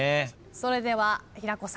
それでは平子さん。